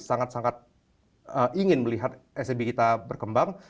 sangat sangat ingin melihat smb kita berkembang